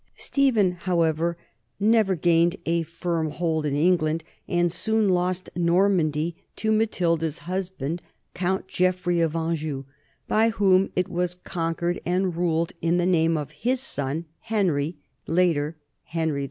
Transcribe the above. Stephen, however, never gained a firm hold in England and soon lost Normandy to Matilda's husband, Count Geoffrey of Anjou, by whom it was con quered and ruled in the name of his son Henry, later Henry II.